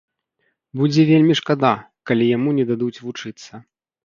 Будзе вельмі шкада, калі яму не дадуць вучыцца.